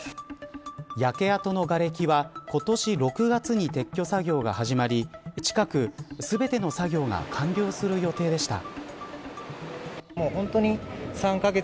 焼け跡のがれきは今年６月に撤去作業が始まり近く、全ての作業が完了する予定でした。